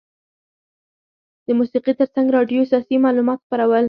د موسیقي ترڅنګ راډیو سیاسي معلومات خپرول.